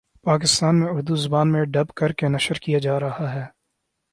پاکستان میں اردو زبان میں ڈب کر کے نشر کیا جارہا ہے